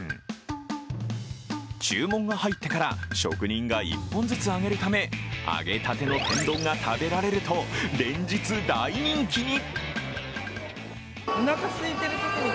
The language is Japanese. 注文が入ってから職人が１本ずつ揚げるため揚げたての天丼が食べられると連日、大人気に。